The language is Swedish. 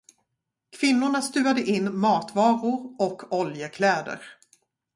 Kvinnorna stuvade in matvaror och oljekläder.